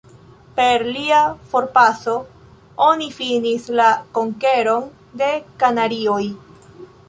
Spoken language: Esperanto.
Per lia forpaso, oni finis la Konkeron de Kanarioj.